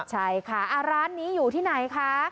ใช่ค่ะร้านนี้อยู่ที่ไหนคะ